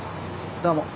どうも。